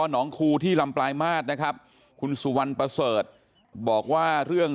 หนองคูที่ลำปลายมาตรนะครับคุณสุวรรณประเสริฐบอกว่าเรื่อง